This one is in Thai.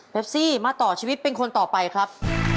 ซี่มาต่อชีวิตเป็นคนต่อไปครับ